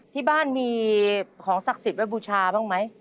ที่บ้านมีของศักดิ์สิทธิ์ไว้บูชาบ้างไหม